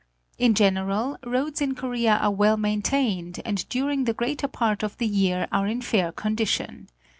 In general, roads in Korea are well maintained, and during the greater part of the year are in fair condition.